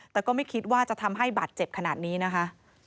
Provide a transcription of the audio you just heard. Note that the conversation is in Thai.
แต่ก็ไม่คิดว่าจะทำให้บาดเจ็บขนาดนี้นะคะ